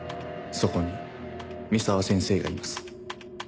「そこに三沢先生がいます」